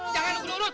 jangan dukun urut